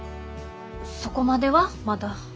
そこまではまだ。